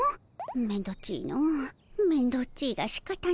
めんどっちいのめんどっちいがしかたないの。